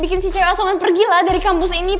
bikin si cewek asongan pergi lah dari kampus ini